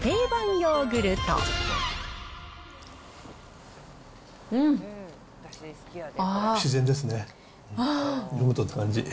ヨーグルトって感じ。